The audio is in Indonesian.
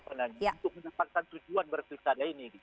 untuk menempatkan tujuan berpilih kadang ini